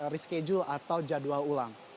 reschedule atau jadwal ulang